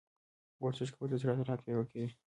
ورزش کول د زړه عضلات پیاوړي کوي.